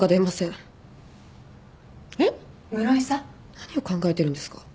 何を考えてるんですか？